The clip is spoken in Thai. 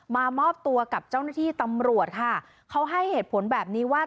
มามอบตัวกับเจ้าหน้าที่ตำรวจค่ะเขาให้เหตุผลแบบนี้ว่า